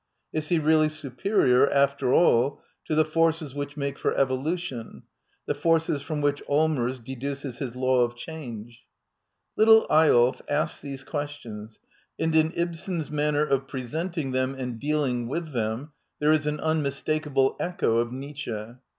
Is he really superior, after all, to the forces which make for evolution — the forces from which AUmers deduces his "law of change ">)" Little Eyolf " asks these questions, and in Ibsen s manner of presenting them and dealing with them there is an unmistakable echo of Nietzsche.